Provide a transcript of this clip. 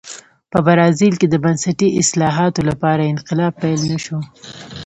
په برازیل کې د بنسټي اصلاحاتو لپاره انقلاب پیل نه شو.